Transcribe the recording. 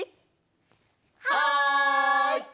はい！